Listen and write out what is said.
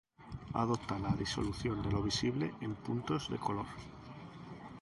Adopta la disolución de lo visible en puntos de color.